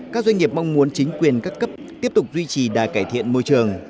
các doanh nghiệp mong muốn chính quyền các cấp tiếp tục duy trì đà cải thiện môi trường